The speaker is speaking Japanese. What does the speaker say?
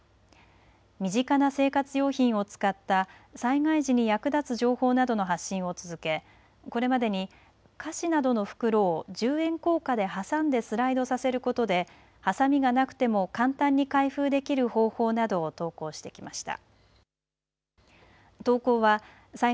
身近な生活用品を使った災害時に役立つ情報などの発信を続け、これまでに菓子などの袋を十円硬貨で挟んでスライドさせることではさみがなくても簡単に開封できる方法などを投稿してきました。